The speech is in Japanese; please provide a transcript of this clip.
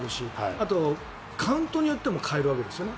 あと、カウントによっても変えるわけですよね。